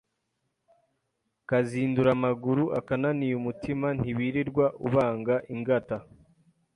kazindura amaguru, akananiye umutima ntiwirirwa ubanga ingata,